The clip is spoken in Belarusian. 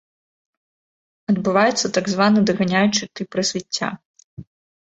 Адбываецца так званы даганяючы тып развіцця.